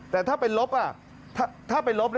แต่ถ้าไปลบถ้าไปลบ